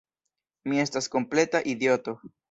Mi estas kompleta idioto!